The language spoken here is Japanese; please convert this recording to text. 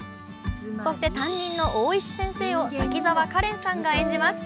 そして担任の大石先生を滝沢カレンさんが演じます。